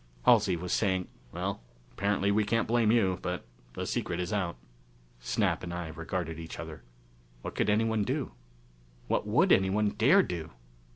Halsey was saying, "Well, apparently we can't blame you: but the secret is out." Snap and I regarded each other. What could anyone do? What would anyone dare do?